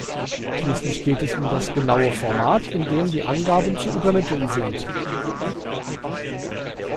Schließlich geht es um das genaue Format, in dem die Angaben zu übermitten sind.